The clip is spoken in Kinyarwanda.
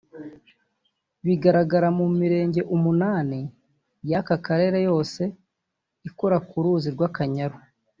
bigaragara mu mirenge umunani y’aka karere yose ikora ku ruzi rw’Akanyaru